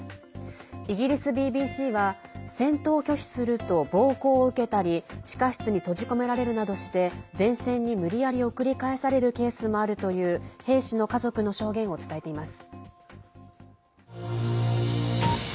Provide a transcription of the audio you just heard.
イギリスＢＢＣは戦闘を拒否すると暴行を受けたり地下室に閉じ込められるなどして前線に無理やり送り返されるケースもあるという兵士の家族の証言を伝えています。